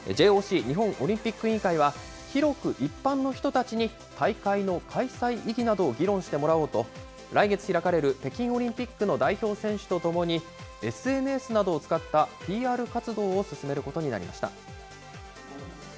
ＪＯＣ・日本オリンピック委員会は、広く一般の人たちに大会の開催意義などを議論してもらおうと、来月開かれる北京オリンピックの代表選手と共に、ＳＮＳなどを使ったＰＲ活動を進めることになりました。